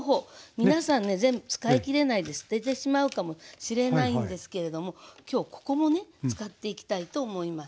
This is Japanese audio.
皆さんね全部使い切れないで捨ててしまうかもしれないんですけれども今日ここもね使っていきたいと思います。